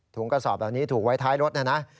กระสอบแบบนี้ถูกไว้ท้ายรถนะนะ